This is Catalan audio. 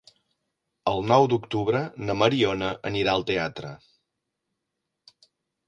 El nou d'octubre na Mariona anirà al teatre.